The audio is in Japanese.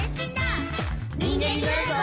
「にんげんになるぞ！」